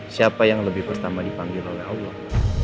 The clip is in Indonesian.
siapa yang lebih pertama dipanggil oleh allah